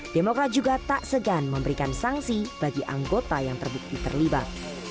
demokrat juga tak segan memberikan sanksi bagi anggota yang terbukti terlibat